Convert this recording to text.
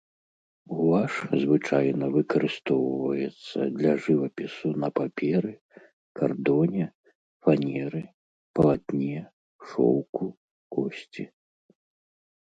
Гуаш звычайна выкарыстоўваецца для жывапісу на паперы, кардоне, фанеры, палатне, шоўку, косці.